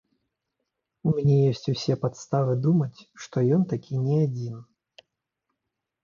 І ў мяне ёсць усе падставы думаць, што ён такі не адзін.